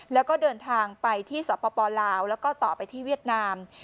แล้วก็เดินทางไปที่สปลาวแล้วก็ต่อไปที่เวียดนาม